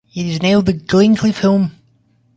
It is now the Glencliff Home.